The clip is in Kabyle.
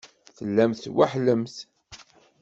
Tellamt tweḥḥlemt.